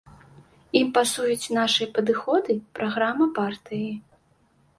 Ім пасуюць нашы падыходы, праграма партыі.